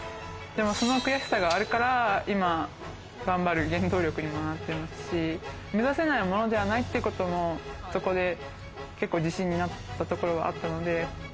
でもその悔しさがあるから今、頑張る原動力にもなってますし、目指せないものではないってことも、そこで結構、自信になったところはあったので。